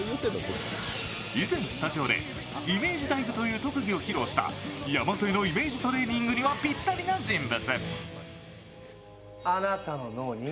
以前、スタジオでイメージダイブという特技を披露した山添のイメージトレーニングにはぴったりな人物。